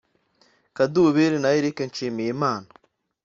Kadubiri na Eric Nshimiyimana